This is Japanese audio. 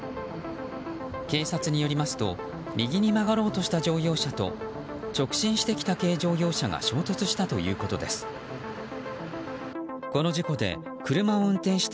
警察によりますと右に曲がろうとした乗用車と直進してきた軽乗用車が衝突したということです。